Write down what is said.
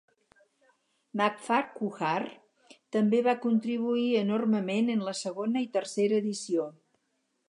Macfarquhar també va contribuir enormement en la segona i tercera edició.